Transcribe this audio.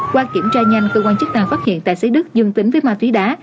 qua kiểm tra nhanh cơ quan chức năng phát hiện tài xế đức dương tính với ma túy đá